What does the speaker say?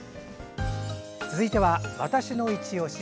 続いては「＃わたしのいちオシ」。